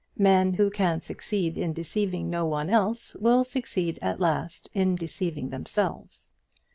Men who can succeed in deceiving no one else will succeed at last in deceiving themselves.